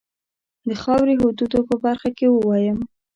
د خاوري حدودو په برخه کې ووایم.